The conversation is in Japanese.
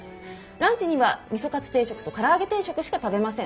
ランチには味噌カツ定食と唐揚げ定食しか食べません。